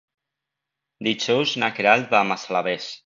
Dijous na Queralt va a Massalavés.